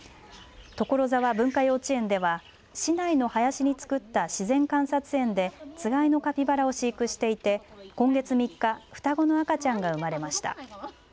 所沢文化幼稚園では市内の林に造った自然観察園でつがいのカピバラを飼育していて今月３日双子の赤ちゃんが生まれました。